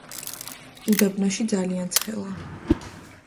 უდაბნოში ძალიან ცხელა